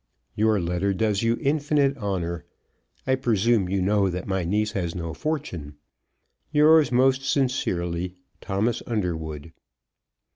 Your letter does you infinite honour. I presume you know that my niece has no fortune. Yours, most sincerely, THOMAS UNDERWOOD.